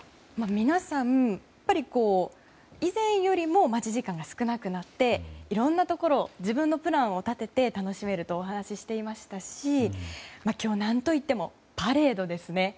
皆さん、以前よりも待ち時間が少なくなっていろんなところを自分のプランを立てて楽しめるとお話ししていましたし今日、何と言ってもパレードですね。